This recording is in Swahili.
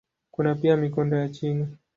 Kuna pia mikondo ya chini.